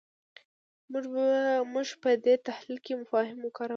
موږ په دې تحلیل کې مفاهیم وکارول.